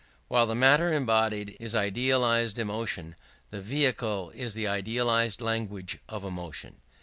While the matter embodied is idealized emotion, the vehicle is the idealized language of emotion.